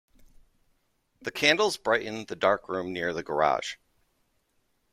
The candles brightened the dark room near to the garage.